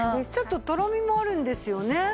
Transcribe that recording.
ちょっととろみもあるんですよね。